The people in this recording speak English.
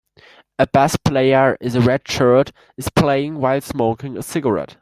A bass player in a red shirt is playing while smoking a cigarette.